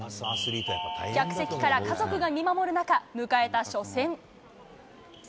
客席から家族が見守る中、迎えた初戦。